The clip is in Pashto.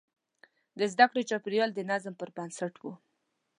د زده کړې چاپېریال د نظم پر بنسټ و.